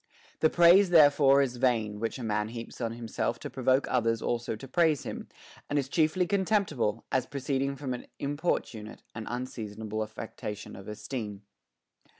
3. The praise therefore is vain which a man heaps on himself to provoke others also to praise him, and is chiefly contemptible, as proceeding from an importunate and un seasonable affectation of esteem.